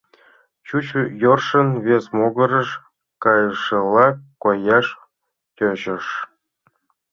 Чӱчӱ йӧршын вес могырыш кайышыла кояш тӧчыш.